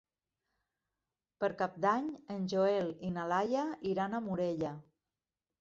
Per Cap d'Any en Joel i na Laia iran a Morella.